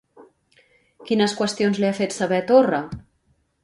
Quines qüestions li ha fet saber Torra?